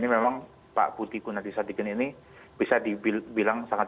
memang pak budi gunadisadikin ini bisa dibilang sangat